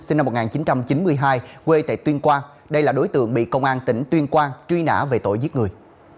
sinh năm một nghìn chín trăm chín mươi hai quê tại tuyên quang đây là đối tượng bị công an tỉnh tuyên quang truy nã về tội giết người